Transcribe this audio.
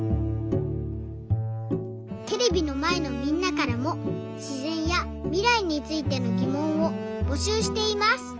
テレビのまえのみんなからもしぜんやみらいについてのぎもんをぼしゅうしています。